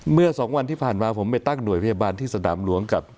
เมื่อสองวันที่ผ่านมาผมไปตั้งหน่วยพยาบาลที่สนามหลวงกับ